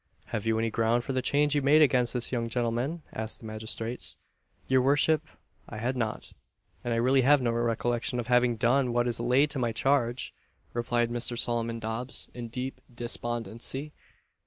"Had you any ground for the charge you made against this young gentleman?" asked the magistrates. "Your worship, I had not; and I really have no recollection of having done what is laid to my charge," replied Mr. Solomon Dobbs, in deep despondency.